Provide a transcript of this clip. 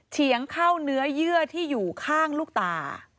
เฉียงเข้าเนื้อเยื่อที่อยู่ข้างลูกตา